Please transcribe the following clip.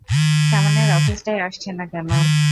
সামনের অফিসটায় আসছেন না কেন?